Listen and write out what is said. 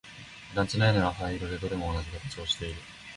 団地の屋根はどれも灰色で同じ形をしている